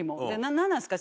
何なんですか？